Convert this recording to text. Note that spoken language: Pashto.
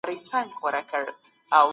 په پانګه وال نظام کي ډېر افراط سوی دی.